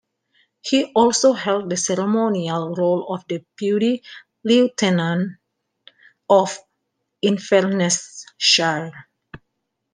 He also held the ceremonial role of Deputy Lieutenant of Inverness-shire.